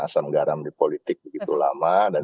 asam garam di politik begitu lama dan